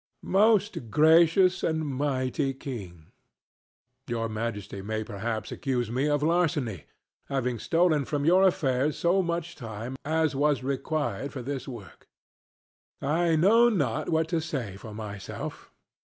Most Gracious and Mighty King, Your Majesty may perhaps accuse me of larceny, having stolen from your affairs so much time as was required for this work. I know not what to say for myself.